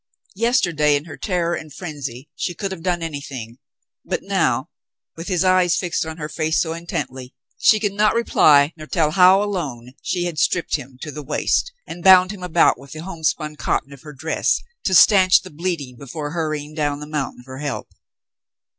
Yesterday in her terror and frenzy she could have done anything ; but now — with his eyes fixed on her face so intently — she could not reply nor tell how, alone, she had stripped him to the waist and bound him about with the homespun cotton of her dress to stanch the bleeding before hurrying down the mountain for help.